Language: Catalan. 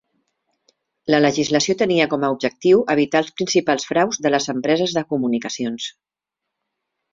La legislació tenia com a objectiu evitar els principals fraus de les empreses de comunicacions.